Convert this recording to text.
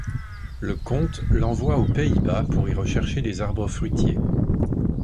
Le comte l’envoie aux Pays-Bas pour y rechercher des arbres fruitiers.